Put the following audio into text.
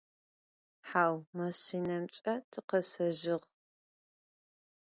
Hau, maşşinemç'e tıkhesezjığ.